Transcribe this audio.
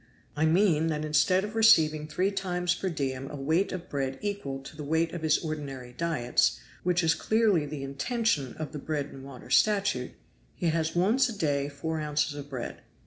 I mean that instead of receiving three times per diem a weight of bread equal to the weight of his ordinary diets (which is clearly the intention of the bread and water statute), he has once a day four ounces of bread.